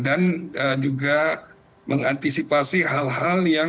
dan juga mengantisipasi hal hal yang